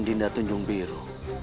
dinda tunjung biru